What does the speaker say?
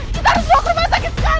kita harus bawa keluar sakit sekarang